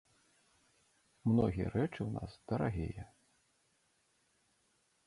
Многія рэчы ў нас дарагія.